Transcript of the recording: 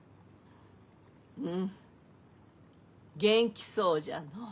うん元気そうじゃのう。